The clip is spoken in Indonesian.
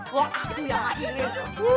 pacar saya sekarang adalah